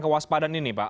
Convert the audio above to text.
kewaspadaan ini pak